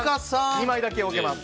２枚だけ置けます。